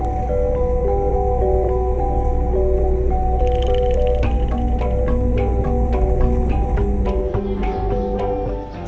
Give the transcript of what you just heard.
saya juga berjalan dengan senang hati